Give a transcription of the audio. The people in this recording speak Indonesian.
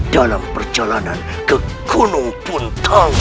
dalam perjalanan ke gunung puntang